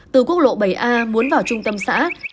từ quốc lộ bảy a muốn vào trung tâm xã